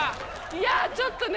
いやちょっとね。